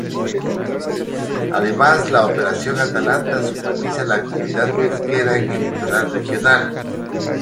Además, la Operación Atalanta supervisa la actividad pesquera en el litoral regional.